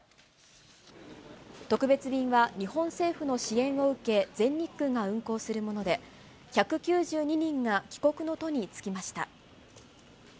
特別便は、日本政府の支援を受け、全日空が運航するもので、１９２人が帰国の途に就きました。